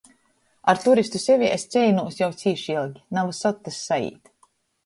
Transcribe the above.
Ar turistu sevī es ceinūs jau cīši ilgi, na vysod tys saīt.